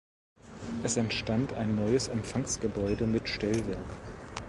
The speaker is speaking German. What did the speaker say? Es entstand ein neues Empfangsgebäude mit Stellwerk.